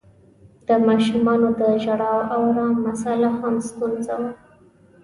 د ماشومانو د ژړا او آرام مسآله هم ستونزه وه.